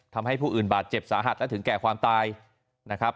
ทำให้ผู้อื่นบาดเจ็บสาหัสและถึงแก่ความตายนะครับ